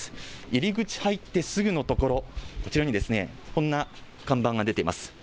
入り口入ってすぐのところ、こちらにですね、こんな看板が出ています。